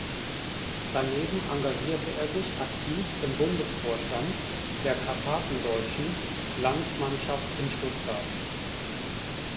Daneben engagierte er sich aktiv im Bundesvorstand der Karpatendeutschen Landsmannschaft in Stuttgart.